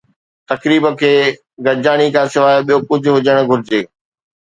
تقريب کي گڏجاڻي کان سواء ٻيو ڪجهه هجڻ گهرجي